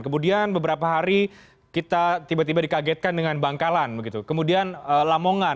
kemudian beberapa hari kita tiba tiba dikagetkan dengan bangkalan kemudian lamongan